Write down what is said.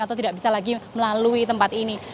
atau tidak bisa lagi melalui tempat ini